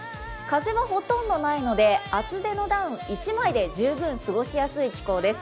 風もほとんどないので厚手のダウン１枚で十分過ごしやすい気候です。